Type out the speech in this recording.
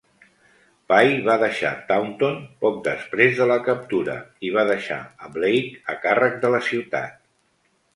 Pye va deixar Taunton poc després de la captura, i va deixar a Blake a càrrec de la ciutat.